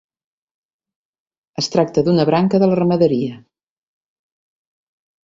Es tracta d'una branca de la ramaderia.